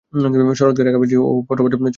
শরৎকে টাকা পাঠিয়েছি ও পত্রপাঠ চলে আসতে লিখেছি।